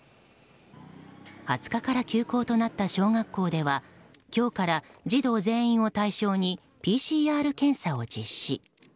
２０日から休校となった小学校では今日から児童全員を対象にＰＣＲ検査を実施。